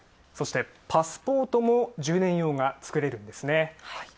そして、パスポートも１０年用が作れるんですね。